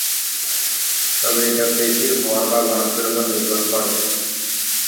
তবে এটা পেশীর ভর বা ঘনত্বের উপর নির্ভর করে।